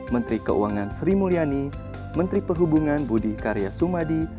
menteri keuangan sri mulyani menteri perhubungan budi karya sumadi